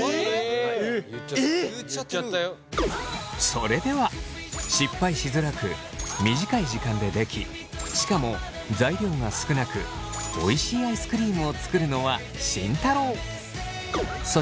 それでは失敗しづらく短い時間でできしかも材料が少なくおいしいアイスクリームを作るのは慎太郎。